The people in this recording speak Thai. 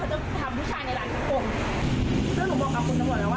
หนูก็ต้องรู้เนี่ยตัวเองเซฟก่อนตัวเองเนอะ